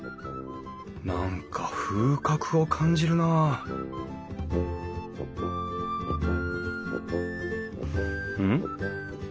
何か風格を感じるなあうん？